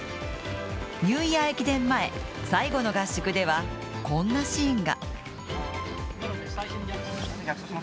ニューイヤー駅伝前、最後の合宿ではこんなシーンが。